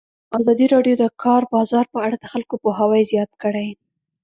ازادي راډیو د د کار بازار په اړه د خلکو پوهاوی زیات کړی.